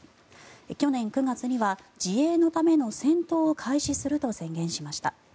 去年９月には自衛のための戦闘を開始すると宣言しました。